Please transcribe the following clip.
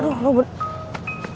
aduh lu bener